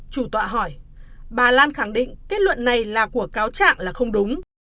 chủ tọa hỏi bà lan khẳng định kết luận này là của cáo trạng là không đúng